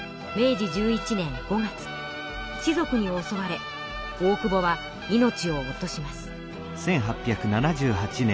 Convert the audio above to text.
士族におそわれ大久保は命を落とします。